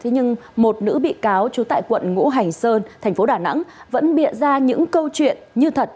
nhưng một nữ bị cáo trú tại quận ngũ hành sơn thành phố đà nẵng vẫn bịa ra những câu chuyện như thật